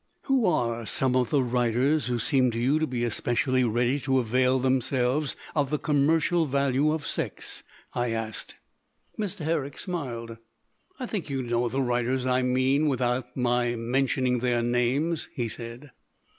"Who are some of the writers who seem to you to be especially ready to avail themselves of the commercial value of sex?" I asked. Mr. Herrick smiled. "I think you know the writers I mean without my mentioning their names," he said.